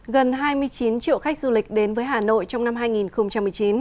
gần hai mươi chín triệu khách du lịch đến với hà nội trong năm hai nghìn một mươi chín